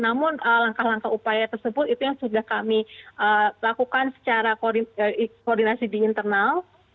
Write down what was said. namun langkah langkah upaya tersebut itu yang sudah kami lakukan secara koordinasi di internal